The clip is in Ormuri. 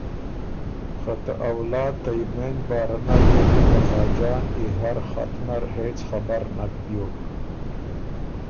خه ته اولاد ته یمېند بارۀ نر دې بُو ته خاجان ای هرخط نر هېڅ خبر نک بیوک